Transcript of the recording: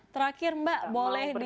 terakhir mbak boleh di